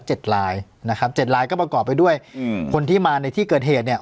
เจ็ดลายนะครับเจ็ดลายก็ประกอบไปด้วยอืมคนที่มาในที่เกิดเหตุเนี่ย